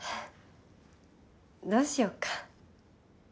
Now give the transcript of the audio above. どうしよっか。